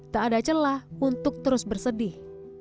tak ada celah untuk terus bersedih